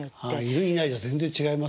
いるいないじゃ全然違います。